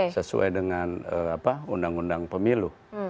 sesuai dengan undang undang pemilu